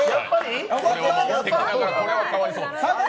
これはかわいそう。